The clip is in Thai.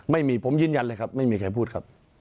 ไม่มีผมยืนยันเลยครับไม่มีใครพูดครับ